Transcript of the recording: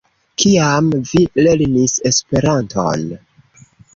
Kiam vi lernis Esperanton?